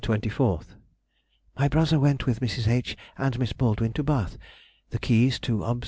24th._—My brother went with Mrs. H. and Miss Baldwin to Bath, the keys to Obs.